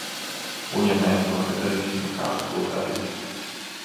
Un ja mēs to nedarīsim, kas to darīs?